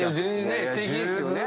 すてきですよね。